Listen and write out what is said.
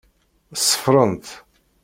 Ṣeffrent.